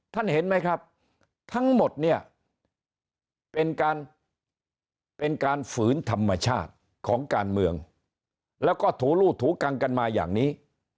เห็นไหมครับทั้งหมดเนี่ยเป็นการเป็นการฝืนธรรมชาติของการเมืองแล้วก็ถูรูดถูกังกันมาอย่างนี้